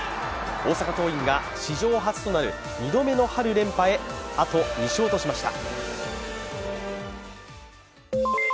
大阪桐蔭が史上初となる２度目の春連覇へあと２勝としました。